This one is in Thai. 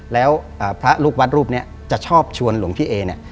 แล้วพระลูกวัดรูปนี้จะชอบชวนหลวงพี่เอเนี่ย